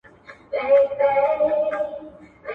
نغمې بې سوره دي، له ستوني مي ږغ نه راوزي.